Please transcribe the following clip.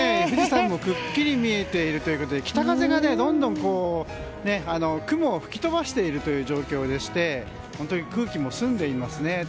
富士山もくっきり見えているということで北風が、どんどん雲を吹き飛ばしているという状況でして本当に空気も澄んでいますね。